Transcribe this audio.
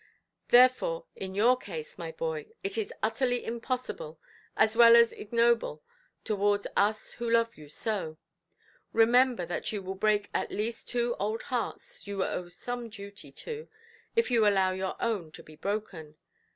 Therefore in your case, my boy, it is utterly impossible, as well as ignoble towards us who love you so. Remember that you will break at least two old hearts you owe some duty to, if you allow your own to be broken.